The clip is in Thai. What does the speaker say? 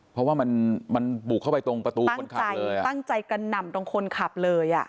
เพราะว่ามันบุกเข้าไปตรงประตูคนขับตั้งใจกระหน่ำตรงคนขับเลยอ่ะ